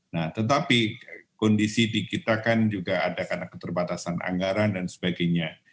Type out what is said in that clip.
nah tetapi kondisi di kita kan juga ada karena keterbatasan anggaran dan sebagainya